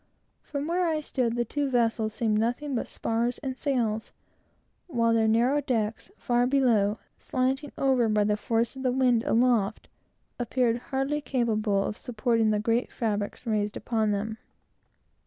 From where I stood, the two vessels seemed nothing but spars and sails, while their narrow decks, far below, slanting over by the force of the wind aloft, appeared hardly capable of supporting the great fabrics raised upon them.